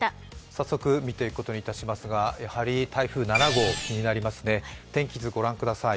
早速見ていくことにいたしますが、やはり台風７号、気になりますね天気図ご覧ください。